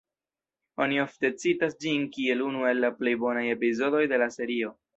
Oni ofte citas ĝin kiel unu el la plej bonaj epizodoj de la serio.